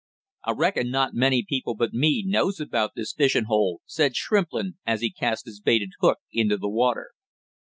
"I reckon not many people but me knows about this fishing hole!" said Shrimplin, as he cast his baited hook into the water.